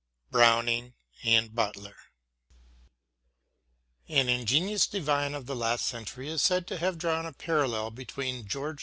BROWNING AND BUTLER AN ingenious divine of the last century is said to have drawn a parallel between George II.